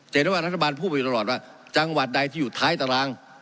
เห็นได้ว่ารัฐบาลพูดไปตลอดว่าจังหวัดใดที่อยู่ท้ายตาราง